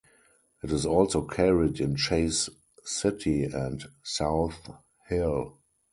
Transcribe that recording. It is also carried in Chase City and South Hill.